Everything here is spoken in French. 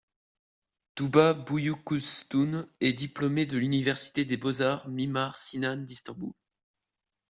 Tuba Büyüküstün est diplômée de l'Université des beaux-arts Mimar-Sinan d'Istanbul.